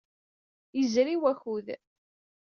Yezri wakud.